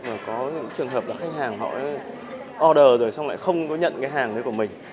mà có những trường hợp là khách hàng họ order rồi xong lại không có nhận cái hàng đấy của mình